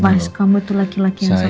mas kamu itu laki laki yang sangat baik